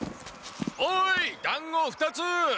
おいだんご２つ！